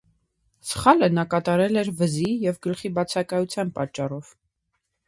Սխալը նա կատարել էր վզի և գլխի բացակայության պատճառով։